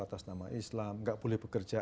atas nama islam nggak boleh bekerja